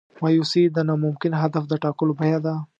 مایوسي د ناممکن هدف د ټاکلو بیه ده.